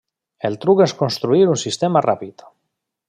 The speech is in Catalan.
El truc és construir un sistema ràpid.